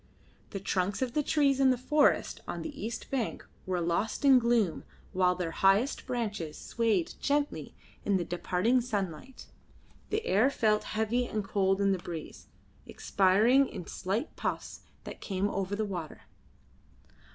The trunks of the trees in the forest on the east bank were lost in gloom while their highest branches swayed gently in the departing sunlight. The air felt heavy and cold in the breeze, expiring in slight puffs that came over the water.